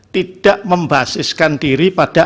tidak membasiskan diri pada